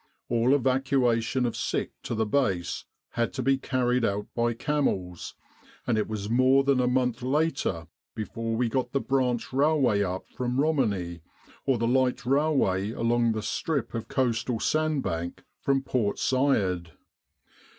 All evacuation of sick to the base had to be carried out by camels, and it was more than a month later before we got the branch railway up from Romani, or the light railway along the strip of coastal sand bank from Port Said.